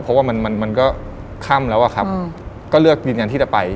เพราะว่ามันก็ค่ำแล้วเรียกดินญาติที่จะไป